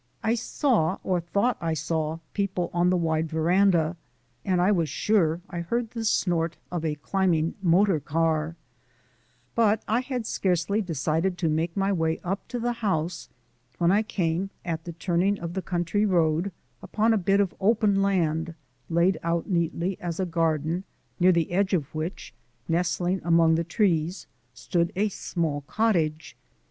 I saw, or thought I saw, people on the wide veranda, and I was sure I heard the snort of a climbing motor car, but I had scarcely decided to make my way up to the house when I came, at the turning of the country road, upon a bit of open land laid out neatly as a garden, near the edge of which, nestling among the trees, stood a small cottage.